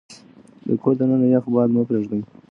د کور دننه يخ باد مه پرېږدئ.